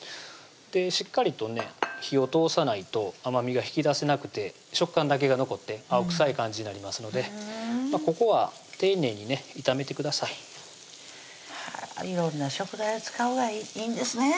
しっかりとね火を通さないと甘みが引き出せなくて食感だけが残って青臭い感じになりますのでここは丁寧にね炒めてください色んな食材を使うがいいんですね